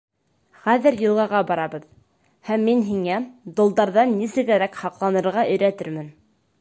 Хәҙер йылғаға барабыҙ һәм мин һиңә долдарҙан нисегерәк һаҡланырға өйрәтермен.